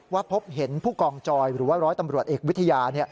พบเห็นผู้กองจอยหรือว่าร้อยตำรวจเอกวิทยา